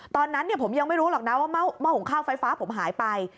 ตอนนั้นผมยังไม่รู้หรอกนะว่าหม้อหุงข้าวไฟฟ้าผมหายไป